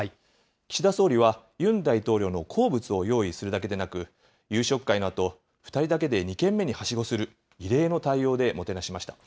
岸田総理はユン大統領の好物を用意するだけでなく、夕食会のあと、２人だけで２軒目にはしごする異例の対応でもてなしました。